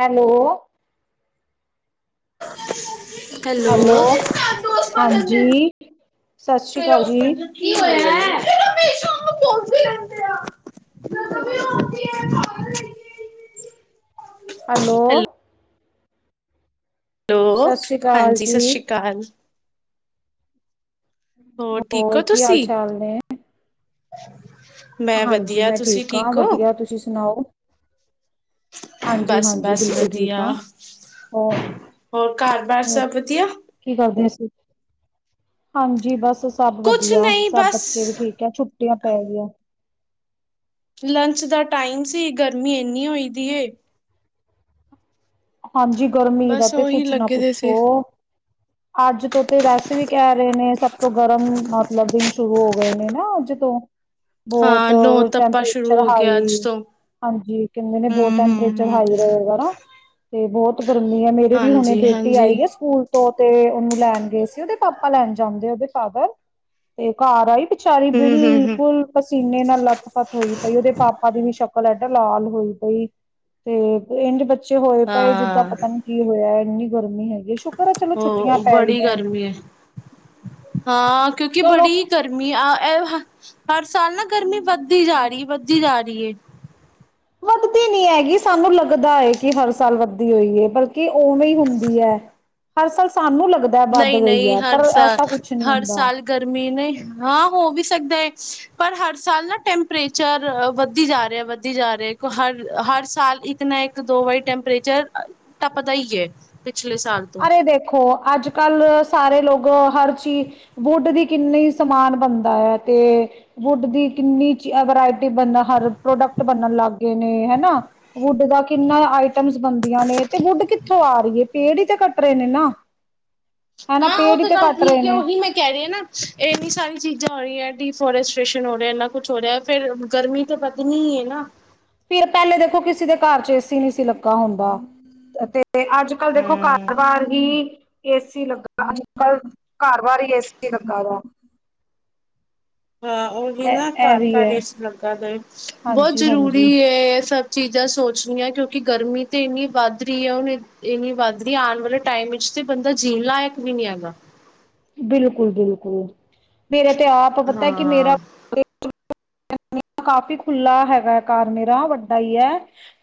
Hello [unintelligible] hello,. ਦੋਸਤ ਬਣਨ ਦੇ ਹਾਂਜੀ ਸਤਿ ਸ੍ਰੀ ਅਕਾਲ ਜੀ। ਫ਼ਿਰ ਹਮੇਸ਼ਾ ਓਹਨੂੰ ਬੋਲਦੇ ਰਹਿੰਦੇ ਆਂ [inaudible] ਵੀ ਆਓਂਦੀ ਐ [inaudible] ਹੈਲੋ, ਹੈਲੋ, ਸਤਿ ਸ੍ਰੀ ਅਕਾਲ ਹਾਂਜੀ ਜੀ, ਸਤਿ ਸ਼੍ਰੀ ਅਕਾਲ। ਹੋਰ ਠੀਕ ਹੋ ਕੀ ਹਾਲ ਤੁਸੀਂ [inaudible] ਚਾਲ ਨੇ? ਮੈਂ ਹਾਂਜੀ ਵਧੀਆ ਮੈਂ ਤੁਸੀਂ ਠੀਕ ਹਾਂ ਵਧੀਆ ਤੁਸੀਂ ਸੁਣਾਓ ਹਾਂਜੀ ਹਾਂਜੀ ਬਸ-ਬਸ ਬਿਲਕੁਲ ਠੀਕ ਵਧੀਆ, ਹਾਂ, ਹੋਰ ਹੋਰ ਘਰ ਬਾਹਰ ਹੋਰ ਸਭ ਵਧੀਆ ਕੀ ਕਰਦੇ ਸੀ? ਹਾਂਜੀ ਬਸ ਸਭ ਕੁਛ ਵਧੀਆ ਨਹੀਂ ਸਭ ਬਸ ਬੱਚੇ ਵੀ ਠੀਕ ਐ ਛੁੱਟੀਆਂ ਪੈ ਗਿਆ ਲੰਚ ਦਾ ਟਾਈਮ ਸੀ ਗਰਮੀ ਇੰਨੀ ਹੋਈ ਦੀ ਏ। ਹਾਂਜੀ ਗਰਮੀ ਦਾ ਬਸ ਤੇ ਉਹੀ ਕੁਛ ਨਾ ਲੱਗੇ ਦੇ ਸੀ ਪੁੱਛੋ। ਅੱਜ ਤੋਂ ਤੇ ਵੈਸੇ ਵੀ ਕਹਿ ਰਹੇ ਨੇ ਸਭ ਤੋਂ ਗਰਮ ਮਤਲਬ ਦਿਨ ਸ਼ੁਰੂ ਹੋ ਗਏ ਨੇ ਨਾ ਅੱਜ ਤੋਂ ਬਹੁਤ ਹਾਂ ਨੋ ਤੱਪਾ ਟੈਂਪਰੇਚਰ ਸ਼ੁਰੂ ਹੋ ਗਿਆ ਅੱਜ ਹਾਈ, ਤੋਂ ਹਾਂਜੀ ਕਹਿੰਦੇ ਨੇ ਹੂੰ ਬਹੁਤ ਹੂੰ ਟੈਂਪਰੇਚਰ ਹੂੰ ਹਾਈ ਰਹੇਗਾ ਨਾ। ਤੇ ਬਹੁਤ ਗਰਮੀ ਹੈ ਮੇਰੇ ਵੀ ਹੁਣੇ ਬੇਟੀ ਹਾਂਜੀ-ਹਾਂਜੀ, ਆਈ ਹੈ ਸਕੂਲ ਤੋਂ ਤੇ ਉਹਨੂੰ ਲੈਣ ਗਏ ਸੀ ਉਹਦੇ ਪਾਪਾ ਲੈਣ ਜਾਂਦੇ ਉਹਦੇ ਫਾਦਰ, ਤੇ ਘਰ ਆਈ। ਸਾਰੀ ਹੂੰ-ਹੂੰ-ਹੂੰ, ਬਿਲਕੁਲ ਪਸੀਨੇ ਨਾਲ ਲੱਥ- ਪੱਥ ਹੋਈ ਪਈ ਉਹਦੇ ਪਾਪਾ ਦੀ ਵੀ ਸ਼ਕ ਉਹ ਐਡਾ ਲਾਲ ਹੋਈ ਪਈ ਤੇ ਇੰਜ ਬੱਚੇ ਨੀਚੋ ਹੋਏ ਪਏ ਜਿੱਦਾਂ ਹਾਂ, ਪਤਾ ਨੀ ਕੀ ਹੋਇਆ ਇੰਨੀ ਗਰਮੀ ਹੈਗੀ ਸ਼ੁ ਹੋ ਬੜੀ ਗਰਮੀ ਹੈ। ਹਾਂ ਕਿਉਂਕਿ ਚਲੋ ਬੜੀ ਗਰਮੀ ਆ ਇਹ ਹਰ ਸਾਲ ਨਾ ਗਰਮੀ ਵੱਧਦੀ ਜਾ ਰਹੀ ਵੱਧਦੀ ਜਾ ਰਹੀ ਏ ਵੱਧਦੀ ਨੀ ਹੈਗੀ ਸਾਨੂੰ ਲੱਗਦਾ ਏ ਕਿ ਹਰ ਸਾਲ ਵੱਧਦੀ ਹੋਈ ਹੈ ਬਲ ਕਿ ਉਵੇਂ ਹੁੰਦੀ ਹੈ। ਹਰ ਸਾਲ ਸਾਨੂੰ ਲੱ ਨਹੀਂ-ਨਹੀਂ ਹਰ ਸਾਲ, ਨਹੀਂ ਹਰ ਹੁੰਦਾ। ਸਾਲ ਗਰਮੀ ਨੇ ਹਾਂ ਹੋ ਵੀ ਸਕਦਾ। ਪਰ ਹਰ ਸਾਲ ਨਾ ਟੈਂਪਰੇਚਰ ਵੱਧੀ ਜਾ ਰਿਹਾ ਵੱਧੀ ਜਾ ਰਿਹਾ ਕਿ ਹਰ ਹਰ ਸਾਲ ਇੱਕ ਨਾ ਇੱਕ- ਦੋ ਵਾਰੀ ਟੈਂਪਰੇਚਰ ਟੱਪਦਾ ਹੀ ਏ। ਅਰੇ ਦੇਖੋ ਅੱਜ ਕੱਲ ਸਾਰੇ ਲੋਕ ਹਰ ਚੀਜ਼ ਵੁੱਡ ਦੀ ਕਿੰਨੀ ਸਮਾਨ ਬਣਦਾ ਹੈ ਤੇ ਵੁੱਡ ਦੀ ਕਿੰਨੀ ਵਰਾਇਟੀ ਬਣਦਾ ਹਰ ਪ੍ਰੋਡਕਟ ਬਨਨ ਲੱਗ ਗਏ ਨੇ ਹਨਾ। ਵੁੱਡ ਦਾ ਕਿੰਨਾ ਆਈਟਮਸ ਬਣਦੀਆਂ ਨੇ ਤੇ ਵੁੱਡ ਕਿੱਥੋਂ ਆ ਰਹੀ ਹੈ? ਪੇੜ ਤੇ ਕਟਰੇੇ ਨਨ ਹਾਂ ਉਹ ਤੇ ਗੱਲ ਠੀਕ ਹੈ ਉਹੀ ਮੈਂ ਕਹਿ ਰਹੀ ਹਾਂ ਨਾ ਇੰਨੀ ਸਾਰੀ ਚੀਜ਼ਾਂ ਹੋ ਰਹੀਆਂ ਡੀਫੋਰਸਟੇਸ਼ਨ ਹੋਰ ਇਨ੍ਹਾਂ ਕੁਛ ਹੋ ਰਿਹਾ ਫਿਰ ਗਰਮੀ ਤਾਂ ਵੱਧਣੀ ਹੈ ਨਾ ਫਿਰ ਪਹਿਲੇ ਦੇਖੋ ਕਿਸੇ ਦੇ ਘਰ ਚ ਏ ਸੀ ਨਹੀਂੀ ਸੀ ਲੱਗਾ ਹੁੰਦਾ ਤੇ ਤੇ ਅੱਜ ਕੱਲ ਦੇਖੋ ਹੂੰ ਕਾਰ ਵਾਰ ਹੀ ਏਸੀ ਲੱਗਾ ਆਜ ਕਲ ਘਰ ਵਾਰ ਏਸੀ ਲੱਗਾ ਵਾ ਹਾਂ ਉਹਦੇ ਇਹ ਘਰ ਵੀ ਘਰ ਹੈ ਇਸ ਲੱਗਾ ਦਾ ਬਹੁਤ ਹਾਂਜੀ ਜ਼ਰੂਰੀ ਹਾਂਜੀ ਹੈ ਇਹ ਸਭ ਚੀਜ਼ਾਂ ਸੋਚਨੀਆ ਕਿਉਂਕਿ ਗਰਮੀ ਤਾਂ ਇੰਨੀ ਵੱਧ ਰਹੀ ਹੈ ਹੁਣ ਇੰਨੀ ਵੱਧ ਰਹੀ ਹੈ ਆਉਣ ਵਾਲੇ ਟਾਈਮ ਵਿੱਚ ਤਾਂ ਬੰਦਾ ਜੀਣ ਲਾਇਕ ਵੀ ਨਹੀਂ ਹੈਗਾ ਬਿਲਕੁਲ ਬਿਲਕੁਲ ਮੇਰੇ ਤੇ ਆਪ ਪਤਾ ਕਿ ਮੇਰਾ ਹਾਂ ਕਾਫੀ ਖੁੱਲਲਾ ਹੈਗਾ ਹੈ ਕਾਰਰ ਮੇਰਾ ਵੱਡਾ ਹੀ ਹੈ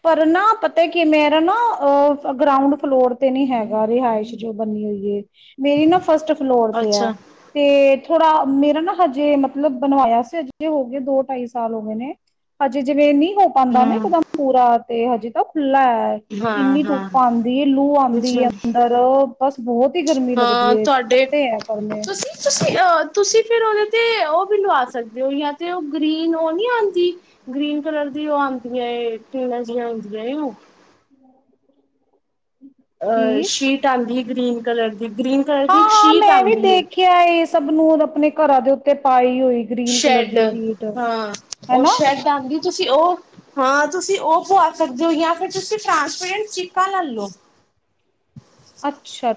ਪਰ ਨਾ ਪਤਾ ਕੀ ਮੇਰਾ ਨਾ ਅ ਗਰਾਊਂਡ ਫਲੋਰ ਤੇ ਨੀ ਹੈਗਾ ਰਿਹਾਇਸ਼ ਜੋ ਬਨੀ ਹੋਈ ਹੈ ਮੇਰੀ ਨਾ ਫਸਟ ਫਲੋਰ ਤੇ ਹੈ ਅੱਛਾ ਤੇ ਥੋੜਾ ਮੇਰਾ ਨਾ ਹਜੇ ਮਤਲਬ ਬਣਵਾਇਆ ਸੀ ਹਜੇ ਹੋ ਗਏ ਦੋ ਢਾਈ ਸਾਲ ਹੋ ਗਏ ਨੇ ਹਜੇ ਜਿਵੇਂ ਨ ਹੋ ਪਾਉਂਦਾ ਨਾ ਹਮ ਇੱਕਦਮ ਪੂਰਾ ਤੇ ਹਜੀ ਤ ਖੁਲਾ ਹਾਂ ਇੰਨੀ ਹਾਂ ਧੁੱਪ ਆਉਂਦੀ ਲੂ ਆਉਂਦੀ ਅੱਛਾ ਹੈ ਅੰਦਰ ਬਸ ਬਹੁਤ ਹੀ ਗਰਮੀ ਲੱਗਦੀ ਹਾਂ ਏ ਤੱਕ ਤੁਹਾਡੇ ਤੁਸੀਂ ਤੁਸੀਂ ਅਹ ਤੁਸੀਂ ਫਿਰ ਉਹਦੇ ਤੇ ਉਹ ਵੀ ਲਵਾ ਸਕਦੇ ਜਾਂ ਤੇ ਗ੍ਰੀਨ ਉਹ ਨੀ ਆਂ ਗ੍ਰੀਨ ਕੱਲਰ ਦੀ ਉਹ ਆਂਦੀਆਂ ਏਟੀਾਂ ਜਿਹੀਆਂ ਆਉਦੀਆਂ ਹਮ ਅਹ ਸ਼ੀਟ ਆਦੀ ਗ੍ਰੀਨ ਕਲਰ ਦੀ ਗ੍ਰੀਨ ਕਲਰ ਦੀ ਇੱਕ ਹਾਂ-ਹਾਂ ਸ਼ੀਟ ਮੈਂ ਵੀ ਆਉਂਦੀ ਹੈ ਦੇਖਿਆ ਇਹ ਸਭ ਨੂੰ ਆਪਣੇ ਘਰਾਂ ਦੇ ਉੱਤੇ ਪਾਈ ਹੋਈ ਗ੍ਰੀਨ ਕਲਰ ਸ਼ੈਡ ਦੀ ਸ਼ੀਟ ਹਾਂ ਉਹ ਹਨਾ ਸ਼ੈਡ ਆਉਂਦੀ ਤੁਸੀਂ ਉਹ ਹਾਂ ਤੁਸੀਂ ਉਹ ਪਆ ਸਕਦੇ ਹੋ ਜਾਂ ਫਿਰ ਤੁਸੀਂ ਟ੍ਰਾਂਸਪੇਰੈਂਟ ਚੀਕਾਾਂ ਲ਼ੇ ਲਓ ਅੱਛਾ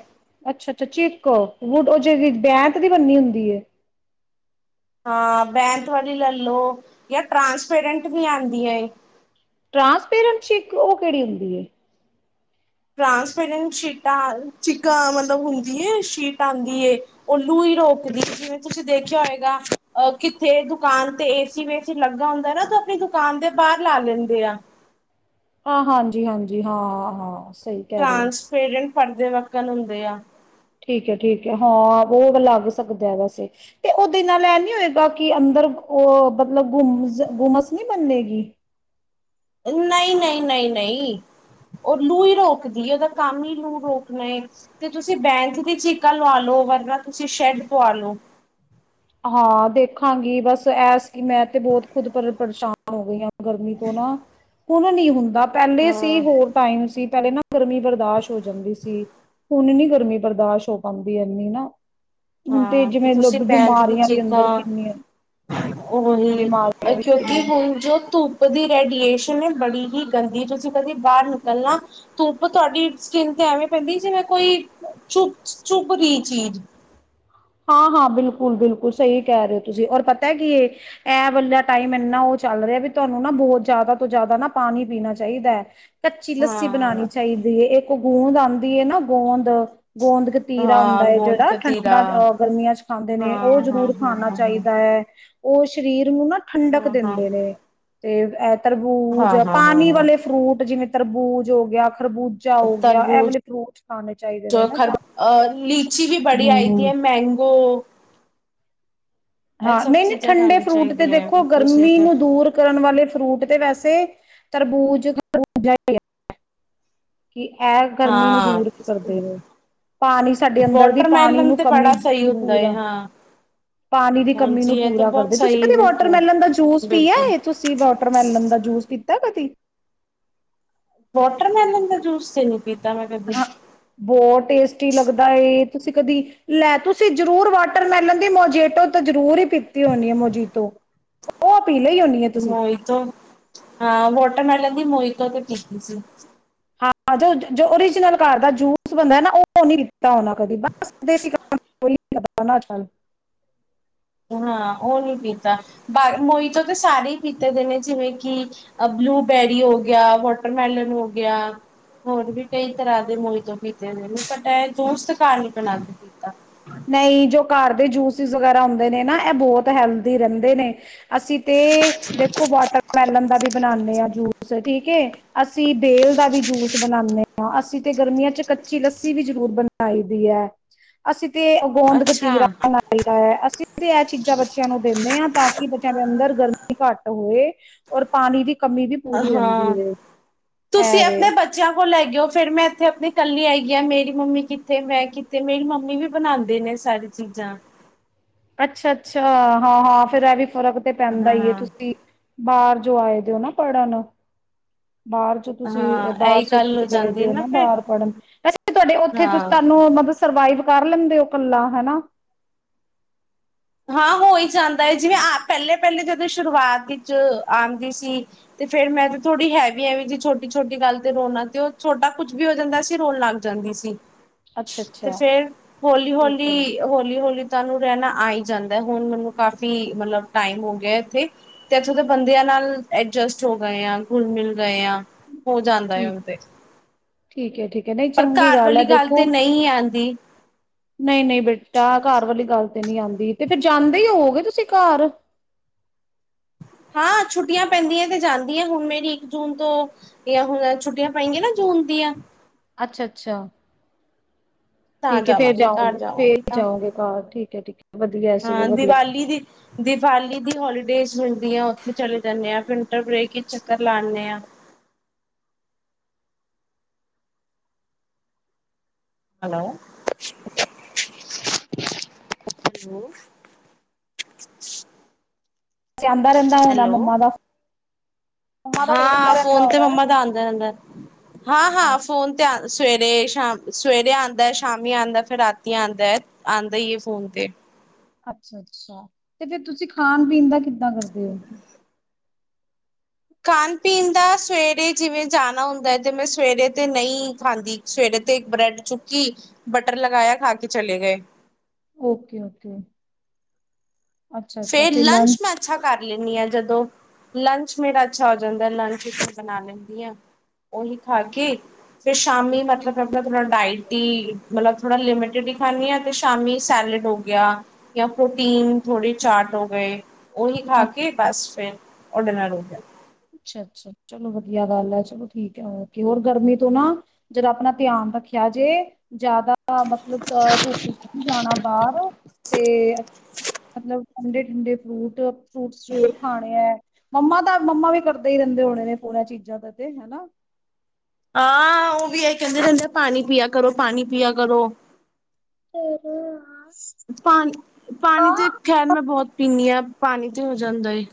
ਅੱਛਾ ਅੱਛਾਚੀਕ ਉਹ ਜੇ ਬੈਂਤ ਦੀ ਬਨੀ ਹੁੰਦੀ ਹੈ ਹਾਂ ਬੈਂਤ ਵਾਲੀ ਲੈ ਲੋ ਜਾਂ ਟ੍ਰਾਂਸਪੇਰੈਂਟ ਵੀ ਆਉਂਦੀ ਐ ਟ੍ਰਾਂਸਪੇਰੈਟ ਚੀਕ ਇੱਕ ਉਹ ਕਿਹੜੀ ਹੁੰਦੀ ਹੈ ਟ੍ਰਾਂਸਪੇਰੈਂਟ ਸ਼ੀਟਾਂ ਚੀਕਾ ਮਤਲਬ ਹੁੰਦੀ ਹੈ ਸ਼ੀਟ ਆਉਂਦੀ ਹੈ ਉਹ ਲੂੰ ਹੀ ਰੋਕਦੀ ਜਿਵੇਂ ਤੁਸੀਂ ਦੇਖਿਆ ਹੋਏਗਾਹ ਕਿੱਥੇ ਦੁਕਾਨ ਤੇ ਏਸੀ ਵੇਸੀ ਲੱਗਾ ਹੁੰਦਾ ਨਾ ਤੇ ਆਪਣੀ ਦੁਕਾਨ ਦੇ ਬਾਹਰ ਲਾ ਲੈਂਦੇ ਆ ਹਾਂ ਹਾਂਜੀ ਹਾਂਜੀ ਹਾਂ ਹਾਂ ਟਰਾਂਸਫੇਰੈਂਟ ਪੜ੍ਹਦੇ ਵੱਕਣ ਹੁੰਦੇ ਆ ਠੀਕ ਹੈ ਠੀਕ ਹੈ ਹਾਂ ਉਹ [unintelligible] ਲੱਗ ਸਕਦਾ ਵੈਸੇ, ਤੇ ਉਹਦੇ ਨਾਲ ਏਹ ਨੀ ਹੋਏਗਾ ਕਿ ਅੰਦਰ ਉਹ ਮਤਲਬ ਗੁਮ ਗੁੰਮਸ ਨੀ ਮੰਨੇਗੀ? ਨਹੀਂ-ਨਹੀਂ-ਨਹੀਂ-ਨਹੀਂ ਉਹ ਲੂ ਹੀ ਰੋਕਦੀ ਏ, ਉਹਦਾ ਕੰਮ ਹੀ ਲੂ ਰੋਕਣਾ ਹੈ। ਤੇ ਤੁਸੀਂ ਬੈਂਚ ਦੀ ਚੀਕਾ ਲਵਾ ਲਓ, ਵਰਨਾ ਤੁਸੀਂ ਸ਼ੈੱਡ ਪਵਾ ਲਓ। ਹਾਂ ਦੇਖਾਂਗੀ ਬਸ ਐ ਸੀ ਮੈਂ ਤੇ ਬਹੁਤ ਖੁਦ ਪਰ ਪਰੇਸ਼ਾਨ ਹੋ ਗਈ ਹਾਂ ਗਰਮੀ ਤੋਂ ਨਾ, ਹੁਣ ਨੀ ਹੁੰਦਾ। ਪੈਲੇ ਸੀ, ਹਾਂ ਹੋਰ ਟਾਈਮ ਸੀ। ਪੈਲੇ ਨਾ ਗਰਮੀ ਬਰਦਾਸ਼ ਹੋ ਜਾਂਦੀ ਸੀ। ਹੁਣ ਨੀ ਇੰਨੀ ਗਰਮੀ ਬਰਦਾਸ਼ ਹੋ ਪਾਂਦੀ ਇੰਨੀ ਨਾ। ਹੁਣ ਹਾਂ ਤੇ ਜਿਵੇਂ ਤੁਸੀ ਲੋਕ ਬੈੰਕ ਦੀ ਬਿਮਾਰੀਆਂ ਸ਼੍ਰੀ ਵੀ ਅੰਦਰ ਕਾਲ। ਕਿੰਨੀਆਂ ਉਹ ਵੀ ਬਿਮਾਰੀਆਂ ਇਹ ਵੀ ਕਿਉਂਕਿ ਕਿੰਨੇ ਹੁਣ ਜੋ ਧੂੱਪ ਦੀ ਰੇਡੀਏ ਸ਼ਨ ਨਾ ਬੜੀ ਹੀ ਗੰਦੀ, ਤੁਸੀਂ ਕਦੀ ਬਾਰ ਨਿਕਲਣਾ, ਧੁੱਪ ਤੁਹਾਡੀ ਸਕਿਨ ਤੇ ਐਵੇਂ ਪੈਂਦੀ ਜਿਵੇਂ ਕੋਈ ਚੁੱ ਚੁੱਭ ਰੀ ਚੀਜ਼। ਹਾਂ-ਹਾਂ, ਬਿਲਕੁਲ-ਬਿਲਕੁਲ ਸਹੀ ਕਹਿ ਰਹੇ ਔ ਤੁਸੀਂ, ਔਰ ਪਤਾ ਏ ਕੀ ਏ। ਐ ਵਾਲਾ ਟਾਈਮ ਇੰਨਾ ਉਹ ਚੱਲ ਰਿਹਾ ਵੀ ਤੁਹਾਨੂੰ ਨਾ ਬਹੁਤ ਜ਼ਿਆਦਾ ਤੋਂ ਜ਼ਿਆਦਾ ਨਾ ਪਾਣੀ ਪੀਣਾ ਚਾਈਦੈ। ਕੱਚੀ ਲੱਸੀ ਬਣਾਉਣੀ ਹਾਂ ਚਾਹੀਦੀ ਏ, ਇੱ ਕ ਗੂੰਦ ਆਂਦੀ ਏ ਨਾ, ਗੋਂਦ। ਗੋਂਦ ਗਤੀਰਾ ਹੁੰਦਾ ਹਾਂ ਏ ਗੋਂਦ ਜਿਹੜਾ ਕਤੀਰਾ ਠੰਡਾ ਗਰਮੀਆਂ ਚ ਖਾਂਦੇ ਨੇ, ਉਹ ਹਾਂ ਹਾਂ ਜ਼ਰੂਰ ਹਾਂ ਖਾਣਾ ਹਾਂ ਚਾਹੀਦੈ ਉਹ ਸ਼ਰੀਰ ਜਿਹਨੂੰ ਨਾ ਹਾਂ ਠੰਡਕ ਹਾਂ ਹਾਂ ਦੇਂਦੇ ਨੇ ਤੇ ਐ ਤਰਬੂਜ, ਹਾਂ ਹਾਂ ਹਾਂ ਪਾਣੀ ਹਾਂ ਵਾਲੇ ਫਰੂਟ ਜਿਵੇਂ ਤਰਬੂਜ ਹੋ ਗਿਆ ਖਰਬੂਜਾ ਹੋ ਗਿਆ ਇਹ ਤਰਬੂਜ ਵਾਲੇ ਫਰੂਟਸ ਖਾਣੇ ਚਾਈਦੇ ਨੇ ਨਾ ਖਰ ਤਾਂ। ਅ ਹੂੰ-ਹੂੰ। ਗੋ ਹਾਂ, ਨਈ-ਨਈ ਠੰਡੇ ਖਾਣੀ ਫਰੂਟ ਤੇ ਚਾਹੀਦੀਆਂ ਹੈ ਦੇਖੋ, ਬਿਲਕੁਲ ਸਹੀ ਗਰਮੀ ਨੂੰ ਦੂਰ ਕਰਨ ਵਾਲੇ ਫਰੂਟ ਤੇ ਵੈਸੇ ਤੇ ਤਰਬੂਜ [unintelligible] ਕਿ ਐ ਗਰਮੀ ਨੂੰ ਹਾਂ ਦੂਰ ਕਰਦੇ ਨੇ। ਪਾਣੀ ਸਾਡੇ ਅੰਦਰ ਦੀ ਪਾਣੀ ਵਾਟਰਮੈਲਨ ਨੂੰ, ਤੇ ਕਮੀ ਬੜਾ ਸਹੀ ਨੂੰ ਹੁੰਦਾ ਹੈ ਪੂਰਾ ਹਾਂ ਪਾਣੀ ਦੀ ਕਮੀ ਹਾਂਜੀ ਨੂੰ ਇਹ ਤੇ ਪੂਰਾ ਬਹੁਤ ਕਰਦੇ। ਤੁਸੀ ਸਹੀ ਕਦੇ ਨੇ ਵਾਟਰਮੈਲਨ ਦਾ ਫਰੂਟ ਜੂਸ ਪੀਆ ਬਿਲਕੁਲ ਏ? ਤੁਸੀ ਵਾਟਰਮੈਲਨ ਦਾ ਜੂਸ ਪੀਤ ਤੈ ਕਦੀ? ਵਾਟਰਮੈਲਨ ਦਾ ਜੂਸ ਤੇ ਨੀ ਪੀਤਾ ਮੈਂ ਕਦੇ ਹਾਂ, ਬਹੁਤ ਟੇਸਟੀ ਲੱਗਦਾ ਏ। ਤੁਸੀਂ ਕਦੀ, ਲੈ ਤੁਸੀਂ ਜ਼ਰੂਰ ਵਾਟਰਮੈਲਨ ਦੀ ਮੋਜੀਟੋ ਤੇ ਜ਼ਰੂਰ ਈ ਪੀਤੀ ਹੋਣੀ ਏ, ਮੋਜੀਤੋ। ਔ ਮੋਇਤੋ, ਹਾਂ ਵੋਟ ਟਰਮੈਲਨ ਦੀ ਮੋਈਤੋ ਤੇ ਪੀਤੀ ਸੀ। ਹਾਂ ਜੋ, ਜੋ ਔਰੀਜਨਲ ਘਰ ਦਾ ਜੂਸ ਬਣਦਾ ਏ ਨਾ ਔ ਨੀ ਲਿਤਾ ਹੋਣਾ ਕਦੀ ਬਸ [unintelligible] ਹਾਂ ਉਹ ਨੀ ਪੀਤਾ ਬਾਏ ਮੋਈਤੋ ਤੇ ਸਾਰੇ ਈ ਪੀਤੇ ਦੇ ਨੇ ਜਿਵੇਂ ਕਿ ਅ ਬਲੂਬੇਰੀ ਹੋ ਗਿਆ, ਵਾਟਰਮੈਲਨ ਹੋ ਗਿਆ, ਹੋਰ ਵੀ ਕਈ ਤਰ੍ਹਾਂ ਦੇ ਮੋਈਤੋ ਪੀਤੇ ਨੇ, ਨੇ ਬਟ ਇਹ ਜੂਸ ਤੇ ਘਰ ਨਈ ਬਣਾ ਕੇ ਪੀਤਾ। ਨਈ ਜੋ ਘਰ ਦੇ ਜੂਸਿਸ ਵਗੈਰਾ ਹੁੰਦੇ ਨੇ ਨਾ ਇਹ ਬਹੁਤ ਹੈਲਦੀ ਰਹਿੰਦੇ ਨੇ। ਅਸੀਂ ਤੇ ਦੇਖੋ ਵਾਟਰਮੈਲਨ ਦਾ ਵੀ ਬਣਾਣੇਂ ਆਂ ਜੂਸ ਠੀਕ ਏ, ਅਸੀਂ ਬੇਲ ਦਾ ਵੀ ਜੂਸ ਬਣਾਣੇਂ ਆਂ। ਅਸੀਂ ਤੇ ਗਰਮੀਆਂ ਚ ਕੱਚੀ ਲੱਸੀ ਵੀ ਜ਼ਰੂਰ ਬਣਾਈ ਦੀ ਐ। ਅਸੀ ਤੇ ਗੋਂਦ ਅੱਛਾ ਕਤੀਰਾ ਬਣਾਈ ਦਾ ਐ। ਅਸੀ ਤੇ ਇਹ ਚੀਜ਼ਾਂ ਬੱਚਿਆਂ ਨੂੰ ਦੇ ਦੇ ਹਾਂ ਤੱਕ ਬੱਚਿਆਂ ਦੇ ਅੰਦਰ ਗਰਮੀ ਘੱਟ ਹੋਏ, ਔਰ ਪਾਣੀ ਦੀ ਕਮੀ ਵੀ ਅ ਪੂਰੀ ਹਾਂ, ਰਹਿੰਦੀ ਹੈ ਤੁਸੀਂ ਐ ਵੇ ਆਪਣੇ ਬੱਚਿਆਂ ਕੋਲ ਲੈ ਕੇ ਓ ਫੇਰ ਮੈਂ ਇੱਥੇ ਆਪਣੀ ਕੱਲੀ ਆਈ ਆ, ਮੇਰੀ ਮੰਮੀ ਕਿੱਥੇ ਮੈਂ ਕੀ ਤੇ ਮੇਰੀ ਮੰਮੀ ਵੀ ਬਣਾਦੇ ਨੇ ਸਾਰੇ ਚੀਜ਼ਾਂ। ਅੱਛਾ ਅੱਛਾ, ਹਾਂ ਹਾਂ, ਫੇਰ ਐ ਵੀ ਫਰਕ ਤੇ ਪੈਂਦਾ ਈ ਏ, ਹਾਂ ਤੁਸੀਂ ਬਾਹਰ ਜੋ ਆਏ ਦਿਓ ਨਾ ਪੜਨ ਬਾਹਰ ਚ ਤੁਸੀਂ ਹਾਂ ਹ ਬਾਹਰ ਇਹੀ ਸਿਟੀ ਗੱਲ 'ਚ ਹੋ ਗਏਦੇ ਜਾਂਦੀ ਓ ਨਾ ਫਿਰ ਬਾਹਰ ਪੜ੍ਹਨ, ਵੈਸੇ ਤੁਹਾਡੇ ਉੱਥੇ ਤੁਸੀ ਹਾਂ ਤੁਹਾਨੂੰ ਮਤਲਬ ਸਰਵਾਈਵ ਕਰ ਲੈਂਦੇ ਓ ਕੱਲਾ, ਹਨਾ। ਹਾਂ ਹੋ ਈ ਜਾਂਦਾ ਏ, ਜਿਵੇਂ ਆ ਪਹਿਲੇ ਪਹਿਲੇ ਜਦੋਂ ਸ਼ੁਰੂਆਤ ਇੱਚ ਆਂਦੀ ਸੀ ਤੇ ਫੇਰ ਮੈਂ ਤੇ ਥੋੜੀ ਹੈ ਵੀ ਐਵੇ ਜੀ, ਛੋਟੀ-ਛੋਟੀ ਗੱਲ ਤੇ ਰੋਣਾ ਤੇ ਉਹ ਛੋਟਾ ਕੁੱਝ ਵੀ ਹੋ ਜਾਂਦਾ ਸ ਚ ਰੋਣ ਲੱਗ ਜਾਂਦੀ ਸੀ। ਤੇ ਅੱਛਾ-ਅੱਛਾ ਫੇਰ ਠੀਕ ਹੈ ਹੌਲੀ-ਹੌਲੀ, ਹੌਲੀ-ਹੌਲੀ ਤਾਂਨੂੰ ਰਹਿਣਾ ਆਏ ਜਾਂਦਾ ਹੁਣ ਮੈਨੂੰ ਕਾਫੀ ਮਤਲਬ ਟਾਈਮ ਹੋ ਗਿਆ ਇੱਥੇ, ਤੇ ਇੱਥੋਂ ਦੇ ਬੰਦਿਆਂ ਨਾਲ ਐਡਜਸਟ ਹੋ ਗਏ ਆਂ, ਗੁਲ ਮਿਲ ਗਏ ਆ। ਹੋ ਜਾਂਦਾ ਏ ਉਹ ਠੀਕ ਤੇ, ਠੀਕ ਹੈ ਠੀਕ ਹੈ ਨਹੀਂ ਪਰ ਚੰਗੀ ਘਰ ਵਾਲੀ ਗੱਲ ਤੇ ਨਹੀਂ ਆਂਦੀ। ਨਹੀਂ ਨਹੀਂ ਬੇਟਾ ਘਰ ਵਾਲੀ ਗੱਲ ਤੇ ਨੀ ਆਂਦੀ ਤੇ ਫੇਰ ਜਾਂਦੇ ਈ ਹੋਓਗੇ ਤੁਸੀਂ ਘਰ? ਹਾਂ ਛੁੱਟੀਆਂ ਪੈਂਦੀਆਂ ਤੇ ਜਾਂਦੀ ਆਂ, ਹੁਣ ਮੇਰੀ ਇੱਕ ਜੂਨ ਤੋਂ ਇਹ ਆ ਹੁਣ ਛੁੱਟੀਆਂ ਪੈਂਗੀਆਂ ਨਾ ਜੂਨ ਦੀਆਂ ਅੱਛਾ ਅੱਛਾ। ਤਾਂ ਠੀਕ ਐ, ਫੇਰ ਜਾਵਾਂਗੀ ਘਰ ਜਾਓਗੇ, ਫੇਰ ਜਾਵਾਂਗੀ ਤਾਂ ਜਾਉਗੇ ਘਰ, ਠੀਕ ਐ ਠੀਕ ਐ। ਹਾਂ ਦੀਵਾਲੀ ਦੀ, ਦੀਵਾਲੀ ਦੀ ਹੋਲੀਡੇਜ਼ ਮਿਲਦੀ ਆ, ਉੱਥੇ ਚਲੇ ਜਾਂਨੇ ਆਂ, ਫਿਰ ਵਿੰਟਰ ਬ੍ਰੇਕ ਵਿੱਚ ਚੱਕਰ ਲਾ ਆਨੇ ਆਂ। ਹੈਲੋ। ਹੋ। ਆਂਦਾ ਰਹਿੰਦਾ ਹੋਣਾ ਹੈਲੋ। ਮੰਮਾ ਦਾ ਮੰਮਾ ਦਾ ਹੁੰਦਾ ਹਾਂ, ਰਹਿੰਦਾ ਫੋਨ ਤੇ ਹੋਣਾ। ਮੰਮਾ ਦਾ ਆਂਦੇ ਰਹਿੰਦਾ। ਹਾਂ ਹਾਂ, ਫੋਨ ਤੇ ਸਵੇਰੇ, ਸ਼ਾਮ, ਸਵੇਰੇ ਆਂਦੈ, ਸ਼ਾਮੀ ਆਂਦੈ, ਫਿਰ ਰਾਤੀ ਆਂਦੈ, ਆਂਦਾ ਈ ਅਈ ਫੋਨ ਤੇ। ਅੱਛਾ ਅੱਛਾ ਤੇ ਫੇਰ ਤੁਸੀਂ ਖਾਣ ਪੀਣ ਦਾ ਕਿੱ ਦਾਂ ਕਰਦੇ ਓ? ਖਾਣ ਪੀਣ ਦਾ ਸਵੇਰੇ ਜਿਵੇਂ ਜਾਣਾ ਹੁੰਦਾ ਹੈ ਤੇ ਮੈਂ ਸਵੇਰੇ ਤੇ ਨਈ ਖਾਂਦੀ, ਸਵੇਰੇ ਤੇ ਇੱਕ ਬ੍ਰੈਡ ਚੁੱਕੀ, ਬਟਰ ਲਗਾਇਆ, ਖਾ ਕੇ ਚਲੇ ਗਏ। Okay, okay. ਅੱਛਾ ਅੱਛਾ ਫੇਰ ਫਿਰ ਲੰਚ ਮੈਂ ਅੱਛਾ ਕਰ ਲੈਂਨੀ ਆਂ, ਜਦੋਂ ਲੰਚ ਮੇਰਾ ਅੱਛਾ ਹੋ ਜਾਂਦੈ, ਲੰਚ ਬਣਾ ਲੈਨੀ ਆਂ। ਉਹੀ ਖਾ ਕੇ, ਫਿਰ ਸ਼ਾਮੀ ਮਤਲਬ ਆਪਣਾ ਥੋੜਾ ਡਾਈਟ ਈ, ਮਤਲਬ ਥੋੜਾ ਲਿਮਿਟਡ ਹੀ ਖਾਨੀ ਆਂ ਤੇ ਸ਼ਾਮੀ ਸੈਲਡ ਹੋ ਗਿਆ ਜਾਂ ਪ੍ਰੋਟੀਨ ਥੋੜੀ ਚਾਟ ਹੋ ਗਏ ਉਹੀ ਖਾ ਕੇ ਬਸ ਫਿਰ ਔਰ ਡਿਨਰ ਹੋ ਗਿਆ? ਅੱਛਾ ਅੱਛਾ, ਚਲੋ ਵਧੀਆ ਗੱਲ ਐ, ਚਲੋ ਠੀਕ ਐ, ਓਕੇ। ਹੋਰ ਗਰਮੀ ਤੋਂ ਨਾ ਜਰਾ ਆਪਣਾ ਧਿਆਨ ਰੱਖਿਆ ਜੇ, ਜ਼ਿਆਦਾ ਮਤਲਬ ਅ ਧੁੱਪ 'ਚ ਨੀ ਜਾਣਾ ਬਾਹਰ ਤੇ ਮਤਲਬ ਠੰਡੇ-ਠੰਡੇ ਫਰੂਟ, ਫਰੂਟਸ ਜ਼ਰੂਰ ਖਾਣੇ ਐ। ਮੰਮਾ ਦਾ ਮੰਮਾ ਵੀ ਕਰਦੇ ਈ ਰਹਿੰਦੇ ਹੋਣੇ ਨੇ ਪੂਰਾ ਚੀਜ਼ਾਂ ਦਾ ਤੇ, ਹੈਨਾ? ਹਾਂ ਉਹ ਵੀ ਇਹ ਕਹਿੰਦੇ ਰਹਿੰਦੇ ਪਾਣੀ ਪਿਆ ਕਰੋ ਪਾਣੀ ਪਿਆ ਕਰੋ ਪਾਣੀ ਪਾਣੀ ਤੇ ਖੈਰ ਮੈਂ ਬਹੁਤ ਪੀਂਦੀ ਹਾਂ ਪਾਣੀ ਤੇ ਹੋ ਜਾਂਦਾ ਏ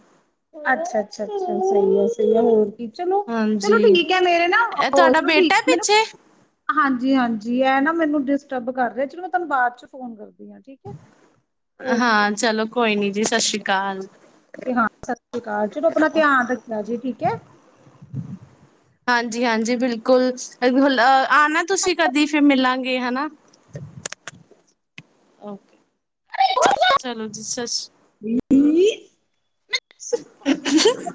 ਅੱਛਾ ਅੱਛਾ ਅੱਛਾ ਸਹੀ ਹੈ ਸਹੀ ਹੋਰ ਚਲੋ ਚਲੋ ਹਾਂਜੀ ਠੀਕ ਹੈ ਮੇਰੇ ਨਾ ਇਹ ਉਹ ਤੁਹਾਡਾ ਚਲੋ ਠੀਕ ਬੇਟਾ ਮੈਂ ਨਾ ਪਿੱਛੇ ਹਾਂਜੀ ਹਾਂਜੀ ਜੀ ਇਹ ਨਾ ਮੈਨੂੰ ਡਿਸਟਰਬ ਕਰ ਰਿਹਾ ਚਲ ਮੈਂ ਤੁਹਾਨੂੰ ਬਾਦ ਚ ਫੋਨ ਕਰਦੀ ਹਾਂ ਠੀਕ ਹੈ ਓਕੇ ਹਾਂ ਚਲੋ ਕੋਈ ਨੀ ਜੀ ਸਤਿ ਸ਼੍ਰੀ ਅਕਾਲ ਕਾਲ ਹਾਂ ਸਤਿ ਸ੍ਰੀ ਅਕਾਲ ਚਲੋ ਆਪਣਾ ਧਿਆਨ ਰੱਖਿਆ ਜ਼ੇ ਠੀਕ ਹੈ ਹਾਂਜੀ ਹਾਂਜੀ ਬਿਲਕੁਲ ਆਣਾ ਤੁਸੀਂ ਕਦੇ ਫਿਰ ਮਿਲਾਂਗੇ ਹੈਨਾ ਚਲੋ ਜੀ ਸਤਿ ਸ੍ਰੀ ਕੀ ਸਖਤ ਤਾਂ ਮੇਰੇ ਕੋਲੋਂ ਨਹੀ ਹੁੰਦਾ